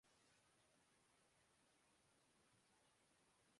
سالہ کشمیری بچے نے شین وارن کا دل جیت لیا